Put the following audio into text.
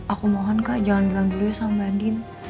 aku mohon kak jangan bilang dulu sama mbak din